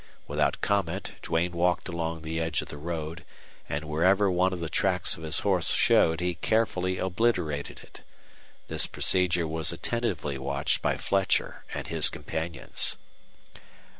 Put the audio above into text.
Without comment Duane walked along the edge of the road, and wherever one of the tracks of his horse showed he carefully obliterated it. This procedure was attentively watched by Fletcher and his companions.